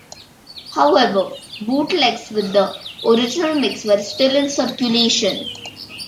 However, bootlegs with the original mix were still in circulation.